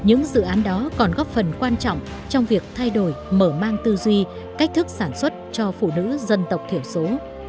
những dự án đó còn góp phần quan trọng trong việc thay đổi mở mang tư duy cách thức sản xuất cho phụ nữ dân tộc thiểu số